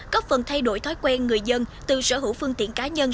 có phần thay đổi thói quen người dân từ sở hữu phương tiện cá nhân